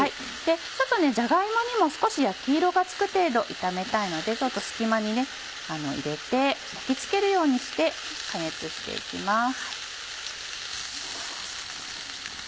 じゃが芋にも少し焼き色がつく程度炒めたいので隙間に入れて焼き付けるようにして加熱して行きます。